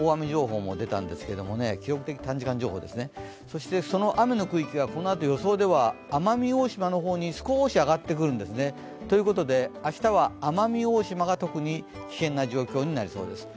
記録的短時間情報ですね、その雨の区域がこのあと予想では奄美大島の方に少し上がってくるんですね。ということで、明日は奄美大島が特に危険な状況になりそうです。